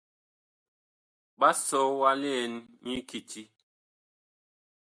Ɓa sɔ wa liɛn nyi kiti.